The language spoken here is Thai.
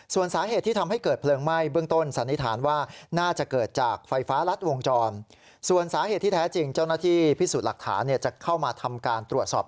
ส่วนสาเหตุทำให้เผลิงไหม้ทั้งต้นสรรค์สนิทานว่า